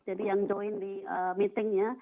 jadi yang join di meeting